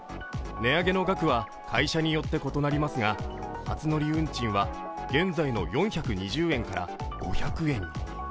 値上げの額は会社によって異なりますが初乗り運賃は現在の４２０円から５００円に。